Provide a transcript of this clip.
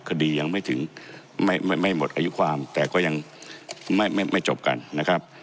คดียังไม่ถึงไม่หมดอายุความแต่ก็ยังไม่จบกันนะครับ